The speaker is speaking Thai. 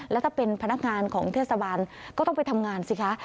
แล้วถ้าเป็นพนักงานของเทศบาลก็ต้องไปทำงานสิคะ